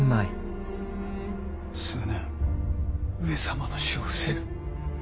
数年上様の死を伏せる。